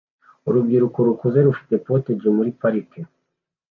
Urubyiruko rukuze rufite POTAGE muri parike